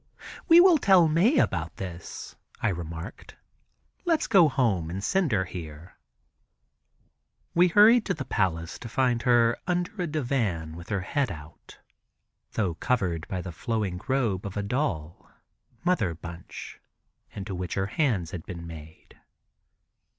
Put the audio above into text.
"We will tell Mae about this," I remarked. "Let's go home and send her here." We hurried to the palace to find her under a divan with her head out, though covered by the flowing robe of a doll (mother bunch) into which her hands had been made.